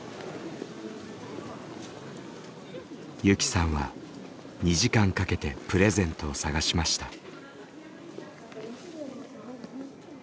ゆきさんは２時間かけてプレゼントを探しました。